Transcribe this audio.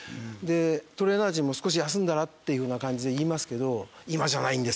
トレーナー陣も「少し休んだら？」っていうような感じで言いますけど「今じゃないんです」と。